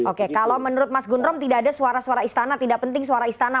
oke kalau menurut mas gundrom tidak ada suara suara istana tidak penting suara istana